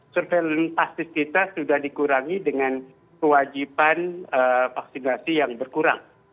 surveillance pasti kita sudah dikurangi dengan kewajiban vaksinasi yang berkurang